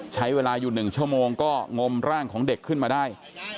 ใช้เวลาอยู่๑ชั่วโมงก็งมร่างของเด็กขึ้นมาได้